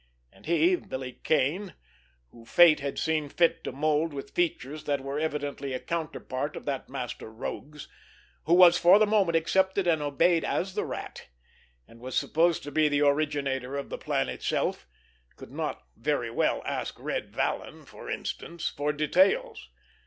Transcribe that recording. And he, Billy Kane, who fate had seen fit to mold with features that were evidently a counterpart of that master rogue's, who was for the moment accepted and obeyed as the Rat, and was supposed to be the originator of the plan itself, could not very well ask Red Vallon, for instance, for details!